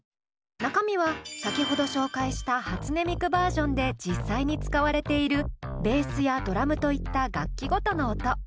中身は先ほど紹介した初音ミクバージョンで実際に使われているベースやドラムといった楽器ごとの音。